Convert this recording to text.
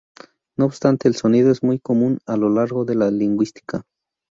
No obstante, el sonido es muy común a lo largo de la lingüística.